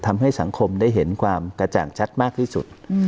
ทำให้สังคมได้เห็นความกระจ่างชัดมากที่สุด